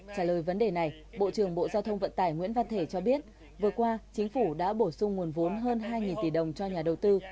trả lời vấn đề này bộ trưởng bộ giao thông vận tải nguyễn văn thể cho biết vừa qua chính phủ đã bổ sung nguồn vốn hơn hai tỷ đồng cho nhà đầu tư